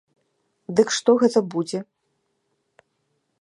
Дык што гэта будзе?